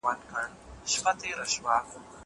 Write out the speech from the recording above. زه به سبا ږغ اورم وم!!